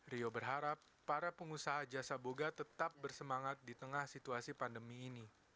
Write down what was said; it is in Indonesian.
rio berharap para pengusaha jasa boga tetap bersemangat di tengah situasi pandemi ini